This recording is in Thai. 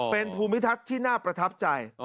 เป็นภูมิทัศน์ที่น่าประทับใจ